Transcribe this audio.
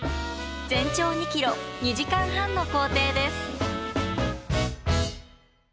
全長２ｋｍ２時間半の行程です。